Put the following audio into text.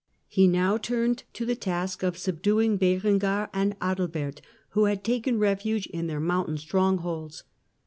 He now turned to the task of subduing Berengar and Adalbert, who had taken refuge in their mountain strongholds.